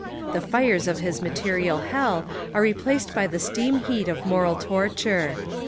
The fires of his material hell are replaced by the steam heat of moral torture.